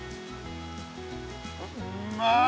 うまい。